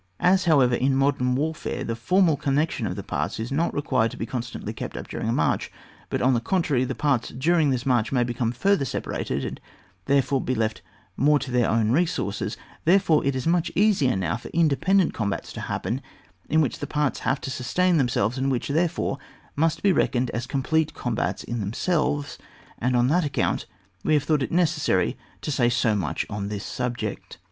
As, however, in modern warfare the formal connection of the parts is not required to be constcmtly kept up during a march, but on the contrary, the parts during the march may become farther separated, and therefore be left more to their own re sources, therefore it is much easier now for independent combats to happen in which the parts have to sustain themselves, and which, therefore must be reckoned as complete combats in themselves, and on that account we have thought it neces sary to say so much on the subject.